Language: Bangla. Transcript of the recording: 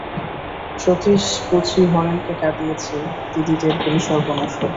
সতীশ বুঝি হরেনকে কাঁদিয়েছে, দিদি টের পেলে সর্বনাশ হবে।